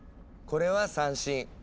これは三線。